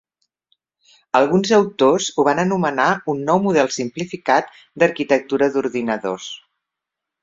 Alguns autors ho van anomenar un nou "model" simplificat d'arquitectura d'ordinadors.